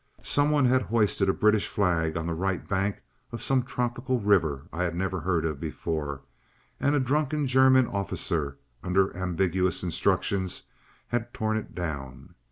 Somebody had hoisted a British flag on the right bank of some tropical river I had never heard of before, and a drunken German officer under ambiguous instructions had torn it down.